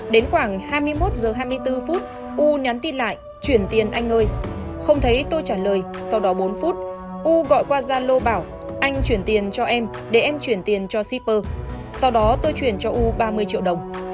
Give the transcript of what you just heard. đến khoảng hai mươi một h hai mươi bốn phút u nhắn tin lại chuyển tiền anh ơi không thấy tôi trả lời sau đó bốn phút u gọi qua gia lô bảo anh chuyển tiền cho em để em chuyển tiền cho shipper sau đó tôi chuyển cho u ba mươi triệu đồng